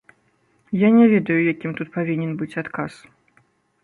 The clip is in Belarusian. Я не ведаю, якім тут павінен быць адказ.